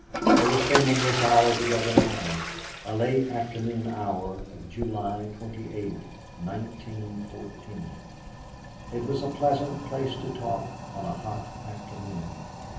They were spending this hour together now, a late afternoon hour of July 28, 1914. It was a pleasant place to talk on a hot afternoon.